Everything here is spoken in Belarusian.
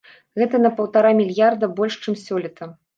Гэта на паўтара мільярда больш, чым сёлета.